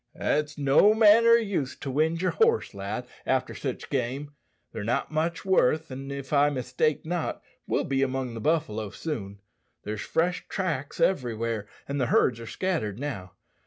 "It's no manner o' use to wind yer horse, lad, after sich game. They're not much worth, an', if I mistake not, we'll be among the buffalo soon. There's fresh tracks everywhere, and the herds are scattered now.